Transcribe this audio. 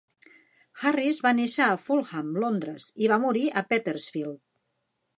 Harris va néixer a Fulham, Londres i va morir a Petersfield.